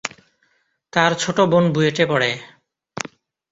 তার ছোট বোন বুয়েটে পড়ে।